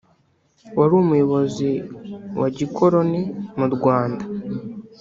wari umuyobozi wa gikoloni mu Rwanda